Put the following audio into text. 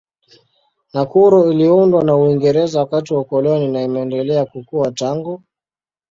Nakuru iliundwa na Uingereza wakati wa ukoloni na imeendelea kukua tangu.